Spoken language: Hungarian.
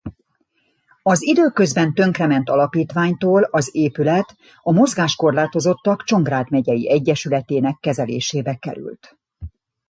Az időközben tönkrement alapítványtól az épület a Mozgáskorlátozottak Csongrád Megyei Egyesületének kezelésébe került.